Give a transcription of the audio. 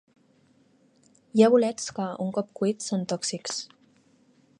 Hi ha bolets que, un cop cuits, són tòxics.